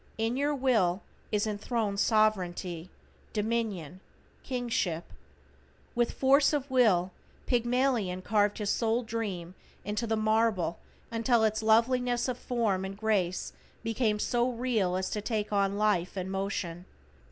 In your Will is enthroned Sovereignty, Dominion, Kingship. With force of Will, Pygmalion carved his soul dream into the marble until its loveliness of form and grace became so real as to take on life and motion.